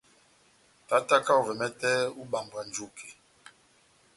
Tátáka ovɛ mɛtɛ ó ibambwa njuke.